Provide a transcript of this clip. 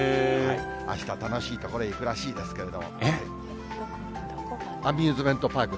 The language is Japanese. あした楽しい所に行くらしいですけど。